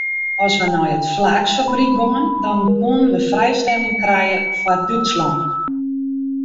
As we nei it flaaksfabryk gongen dan koenen we frijstelling krije foar Dútslân.